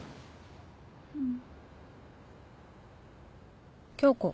うん。